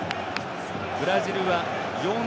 ブラジルは４−３−３。